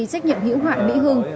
trách nhiệm hữu hoạn mỹ hương